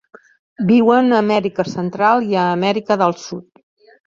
Viuen a Amèrica Central i Amèrica del Sud.